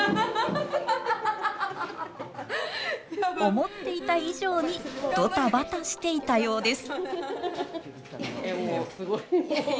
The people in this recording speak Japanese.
思っていた以上にドタバタしていたようです。